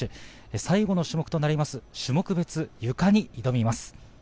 最後の種目となる種目別ゆかに挑みます。